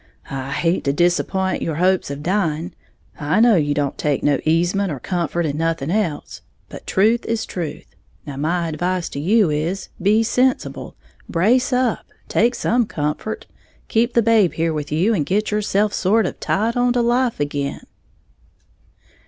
I hate to disapp'int your hopes of dying, I know you don't take no easement or comfort in nothing else. But truth is truth. Now my advice to you is, be sensible, brace up, take some comfort, keep the babe here with you and git yourself sort of tied on to life again."